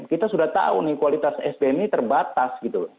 kita sudah tahu nih kualitas sdm ini terbatas gitu loh